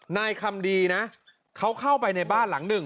นายคำดีนะเขาเข้าไปในบ้านหลังหนึ่ง